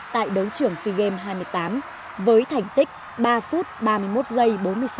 tại đấu trưởng sea games hai mươi tám với thành tích ba phút ba mươi một giây bốn mươi sáu